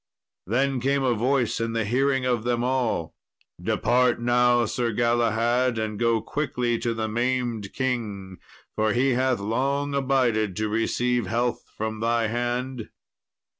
Then came a voice in the hearing of them all, "Depart now, Sir Galahad, and go quickly to the maimed king, for he hath long abided to receive health from thy hand."